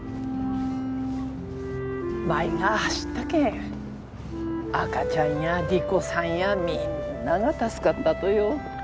舞が走ったけん赤ちゃんや莉子さんやみんなが助かったとよ。